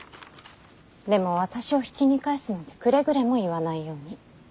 でも私を比企に返すなんてくれぐれも言わないように。